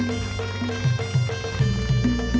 เธอไม่รู้ว่าเธอไม่รู้